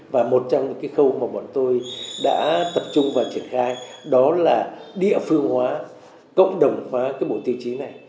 và một trong những cái khâu mà bọn tôi đã tập trung và triển khai đó là địa phương hóa cộng đồng hóa cái bộ tiêu chí này